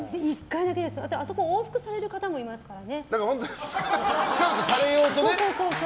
あそこ、往復される方もいますからね。